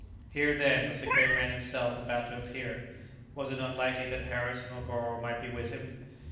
Here, then, was the great man himself about to appear. Was it not likely that Harris or Negoro might be with him?